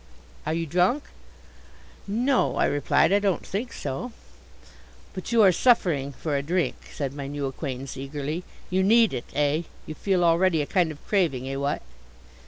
Are you drunk?" "No," I replied. "I don't think so." "But you are suffering for a drink," said my new acquaintance eagerly. "You need it, eh? You feel already a kind of craving, eh what?"